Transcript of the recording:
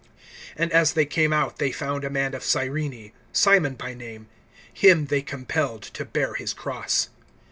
(32)And as they came out they found a man of Cyrene, Simon by name; him they compelled to bear his cross.